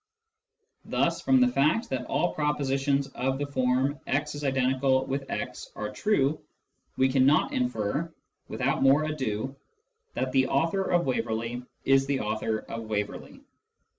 Thus from the fact that all propositions of the form " x=x " are true we cannot infer, without more ado, that the author of Waverley is the author of s Waverley.